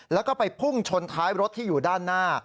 แล้วก็ไปพุ่งชนท้ายรถที่อยู่ด้านหน้า